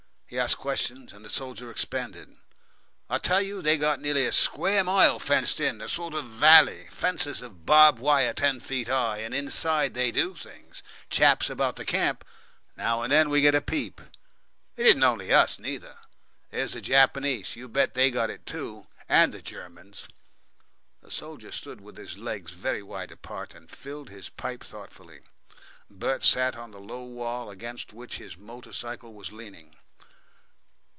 He asked questions and the soldier expanded. "I tell you they got nearly a square mile fenced in a sort of valley. Fences of barbed wire ten feet high, and inside that they do things. Chaps about the camp now and then we get a peep. It isn't only us neither. There's the Japanese; you bet they got it too and the Germans!" The soldier stood with his legs very wide apart, and filled his pipe thoughtfully. Bert sat on the low wall against which his motor bicycle was leaning.